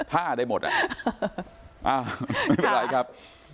ผ้าได้หมดไม่เป็นไรครับ